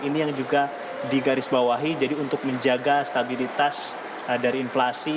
ini yang juga digarisbawahi jadi untuk menjaga stabilitas dari inflasi